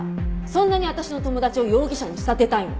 そんなに私の友達を容疑者に仕立てたいの？